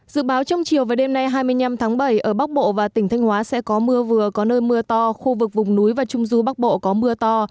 dự báo trong chiều và đêm nay hai mươi năm tháng bảy ở bắc bộ và tỉnh thanh hóa sẽ có mưa vừa có nơi mưa to khu vực vùng núi và trung du bắc bộ có mưa to